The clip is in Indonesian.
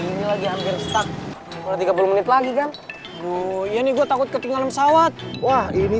ini lagi hampir stuck kalau tiga puluh menit lagi kan ini gue takut ketinggalan pesawat wah ini